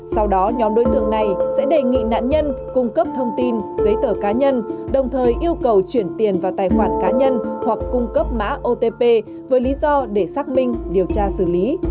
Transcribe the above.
sau đó nhóm đối tượng này sẽ đề nghị nạn nhân cung cấp thông tin giấy tờ cá nhân đồng thời yêu cầu chuyển tiền vào tài khoản cá nhân hoặc cung cấp mã otp với lý do để xác minh điều tra xử lý